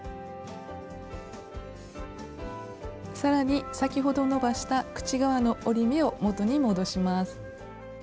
さらに先ほど伸ばした口側の折り目を元に戻します。